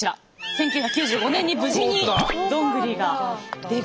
１９９５年に無事にドングリがデビュー。